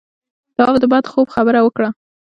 تواب د بد خوب خبره وکړه.